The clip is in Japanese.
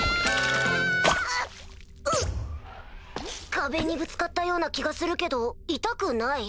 壁にぶつかったような気がするけど痛くない。